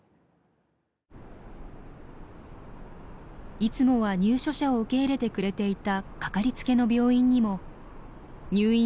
いつもは入所者を受け入れてくれていたかかりつけの病院にも入院を断られたといいます。